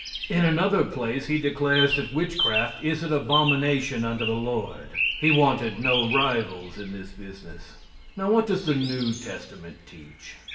In another place he declares that witchcraft is an abomination unto the Lord. He wanted no rivals in this business. Now what does the new testament teach?